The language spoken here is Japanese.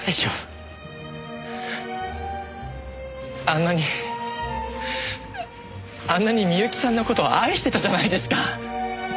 あんなにあんなに深雪さんの事を愛してたじゃないですか。